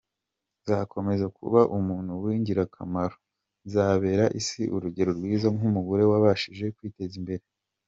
Nzakomeza kuba umuntu w’ingirakamaro, nzabera isi urugero rwiza nk’umugore wabashije kwiteza imbere.